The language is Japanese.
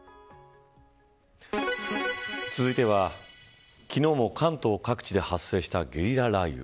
続いては昨日も関東各地で発生したゲリラ雷雨。